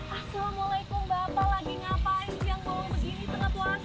assalamualaikum bapak lagi ngapain siang mau begini tengah puasa